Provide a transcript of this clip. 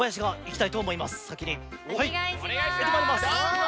はい。